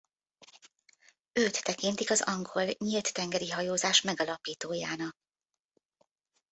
Őt tekintik az angol nyílt tengeri hajózás megalapítójának.